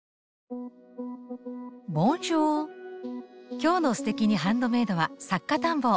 今日の「すてきにハンドメイド」は「作家探訪」。